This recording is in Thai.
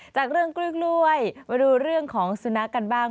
จากเรื่องกล้วยมาดูเรื่องของสุนัขกันบ้าง